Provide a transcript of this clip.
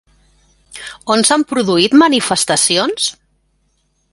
On s'han produït manifestacions?